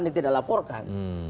dia tidak laporkan